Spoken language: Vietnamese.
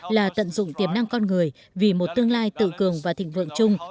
là tận dụng tiềm năng con người vì một tương lai tự cường và thịnh vượng chung